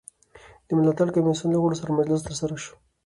د ملاتړ کمېسیون له غړو سره مجلس ترسره سو.